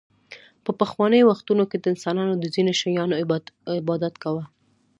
په پخوانیو وختونو کې انسانانو د ځینو شیانو عبادت کاوه